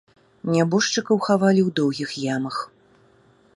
Нябожчыкаў хавалі ў доўгіх ямах.